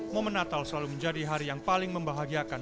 momen natal selalu menjadi hari yang paling membahagiakan